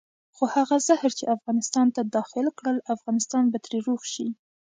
خو هغه زهر چې افغانستان ته داخل کړل افغانستان به ترې روغ شي.